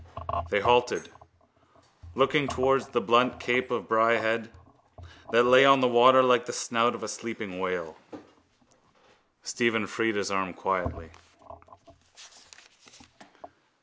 They halted, looking towards the blunt cape of Bray Head that lay on the water like the snout of a sleeping whale. Stephen freed his arm quietly.